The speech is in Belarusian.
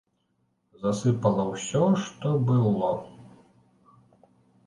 Засыпала ўсё, што было.